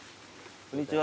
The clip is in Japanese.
こんにちは。